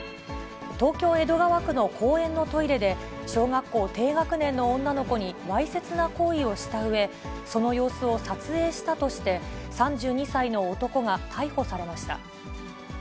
東京・江戸川区の公園のトイレで、小学校低学年の女の子にわいせつな行為をしたうえ、その様子を撮影したとして、３２歳の男が逮捕されました。